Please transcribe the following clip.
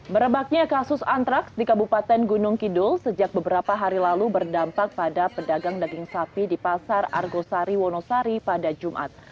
merebaknya kasus antraks di kabupaten gunung kidul sejak beberapa hari lalu berdampak pada pedagang daging sapi di pasar argosari wonosari pada jumat